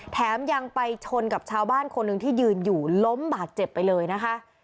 แถมยังไปชนกับชาวบ้านคนหนึ่งที่ยืนอยู่ล้มบาดเจ็บไปเลยนะคะ